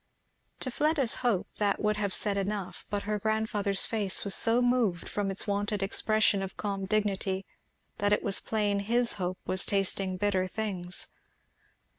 To Fleda's hope that would have said enough; but her grandfather's face was so moved from its wonted expression of calm dignity that it was plain his hope was tasting bitter things.